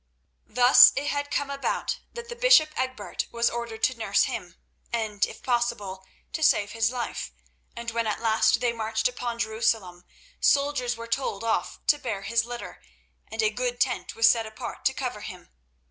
Thus it had come about that the bishop Egbert was ordered to nurse him, and, if possible to save his life; and when at last they marched upon Jerusalem, soldiers were told off to bear his litter, and a good tent was set apart to cover him.